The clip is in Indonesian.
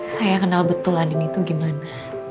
saya kenal betul andini itu gimana